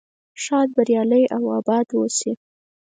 ښاد بریالي او اباد اوسئ.